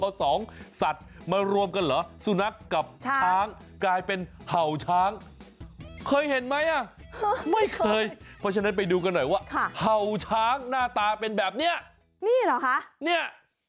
อาหารบางอย่างหน้าตาไม่ค้นเลย